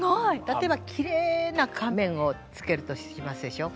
たとえばきれいな仮面をつけるとしますでしょ。